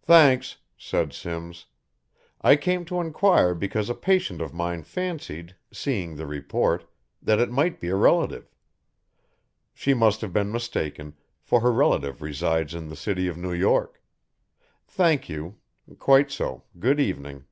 "Thanks," said Simms, "I came to enquire because a patient of mine fancied, seeing the report, that it might be a relative. She must have been mistaken, for her relative resides in the city of New York. Thank you quite so good evening."